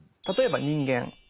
例えば人間。